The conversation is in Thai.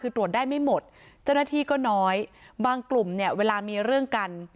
คือตรวจได้ไม่หมดเจ้าหน้าที่ก็น้อยบางกลุ่มเนี่ยเวลามีเรื่องกัน